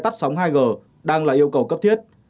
tắt sóng hai g đang là yêu cầu cấp thiết